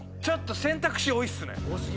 選択肢多いっすね。